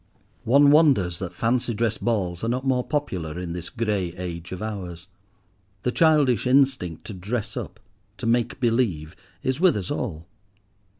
One wonders that fancy dress balls are not more popular in this grey age of ours. The childish instinct to "dress up," to "make believe," is with us all.